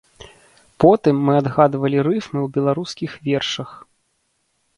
Потым мы адгадвалі рыфмы ў беларускіх вершах.